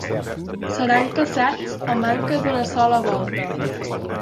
Seran caçats a manca d'una sola volta.